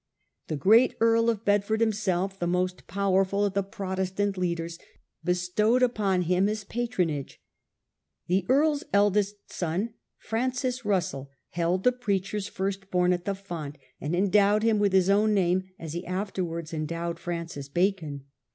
The great Earl of Bedford, himself the most powerful of the Protestant leaders, bestowed upon him his patronage. The Earl's eldest son, Francis Eussell, held the preacher's first born at the font, and endowed him with his own name, as he afterwards endowed Francis Bacon.